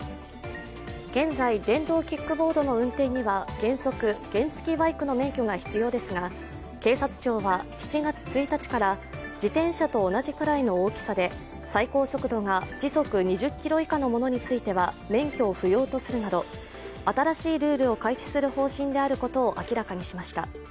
現在、電動キックボードの運転には原則、原付バイクの免許が必要ですが警察庁は７月１日から自転車と同じくらいの大きさで最高速度が時速２０ｋｍ以下のものについては免許を不要とするなど新しいルールを開始する方針であることを明らかにしました。